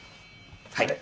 はい。